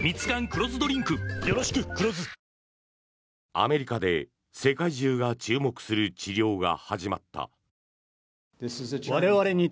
アメリカで世界中が注目する治療が始まった。